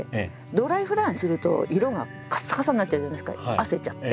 ドライフラワーにすると色がカッサカサになっちゃうじゃないですかあせちゃって。